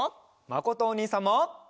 まことおにいさんも。